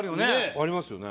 ありますよね。